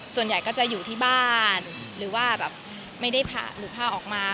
ส่วนใหญ่ก็จะอยู่ที่บ้านหรือว่าแบบไม่ได้ผ่าหรือผ้าออกมา